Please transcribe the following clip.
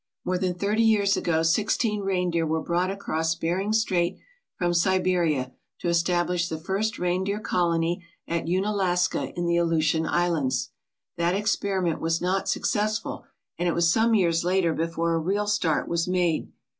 More than thirty years ago sixteen reindeer were brought across Bering Strait from Siberia to establish the first reindeer colony at Unalaska in the Aleutian Islands. That experiment was not successful and it was some years later before a real start was made.